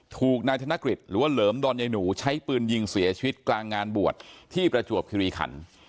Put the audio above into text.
ถูกนายธนกฤษหรือว่าเหลิมดอนยายหนูใช้ปืนยิงเสียชีวิตกลางงานบวชที่ประจวบคิริขัน